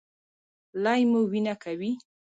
لۍ مو وینه کوي؟